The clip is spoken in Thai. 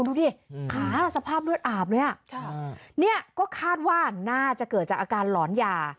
ดูดิขาสภาพเลือดอาบเลยอ่ะเนี่ยก็คาดว่าน่าจะเกิดจากอาการหลอนยา